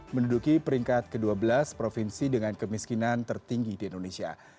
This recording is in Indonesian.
menduduki peringkat ke dua belas provinsi dengan kemiskinan tertinggi di indonesia